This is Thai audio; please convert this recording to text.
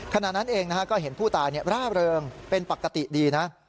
ขณะนั้นเองก็เห็นผู้ตายร่าเริงเป็นปกติดีนะ